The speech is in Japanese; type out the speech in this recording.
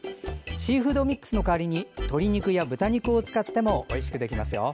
シーフードミックスの代わりに鶏肉や豚肉を使ってもおいしくできますよ。